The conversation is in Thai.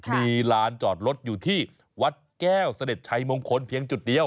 มีลานจอดรถอยู่ที่วัดแก้วเสด็จชัยมงคลเพียงจุดเดียว